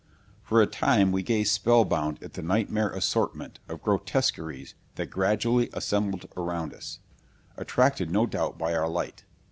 For a time we gazed spellbound at the nightmare assortment of grotesqueries that gradually assembled around us, attracted no doubt by our light.